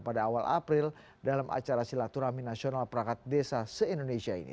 pada awal april dalam acara silaturahmi nasional perangkat desa se indonesia ini